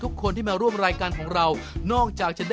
ทุกคนมีความจริงให้ชื่นรัก